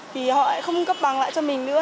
thì họ không cấp bằng lại cho mình nữa